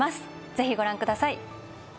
ぜひご覧ください